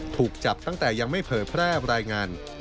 ถูกจับตั้งแต่ยังไม่เผยแพร่รายงาน